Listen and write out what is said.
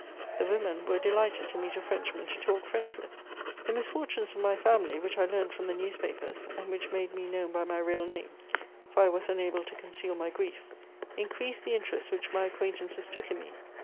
The women were delighted to meet a Frenchman to talk French with. The misfortunes of my family, which I learnt from the newspapers, and which made me known by my real name (for I was unable to conceal my grief), increased the interest which my acquaintances took in me.